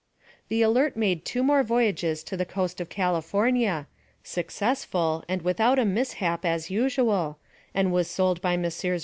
The Alert made two more voyages to the coast of California, successful, and without a mishap, as usual, and was sold by Messrs.